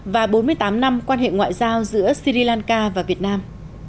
và bốn mươi tám năm quan hệ ngoại giao giữa sri lanka và việt nam